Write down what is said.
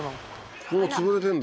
ここも潰れてんだ